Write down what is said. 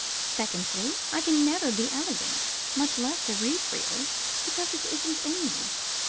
Secondly, I can never be elegant much less ethereal because it isn't in me.